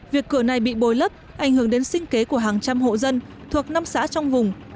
việc cửa này bị bồi lấp ảnh hưởng đến sinh kế của hàng trăm hộ dân thuộc năm xã trong vùng